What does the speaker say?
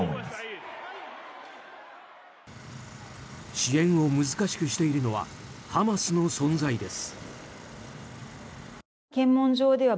支援を難しくしているのはハマスの存在です。